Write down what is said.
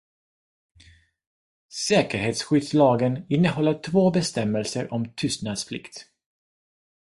Säkerhetsskyddslagen innehåller två bestämmelser om tystnadsplikt.